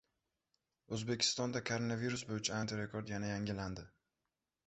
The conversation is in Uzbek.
O‘zbekistonda koronavirus bo‘yicha antirekord yana yangilandi